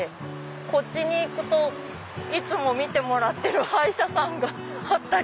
こっちにいつも診てもらってる歯医者さんがあったり。